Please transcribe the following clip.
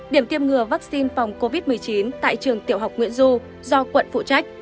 điểm tiêm ngừa vaccine phòng covid một mươi chín tại trường tiểu học nguyễn du do quận phụ trách